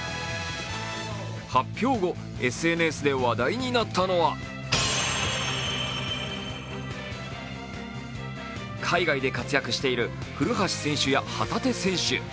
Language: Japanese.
発表後、ＳＮＳで話題になったのは海外で活躍している古橋選手や旗手選手。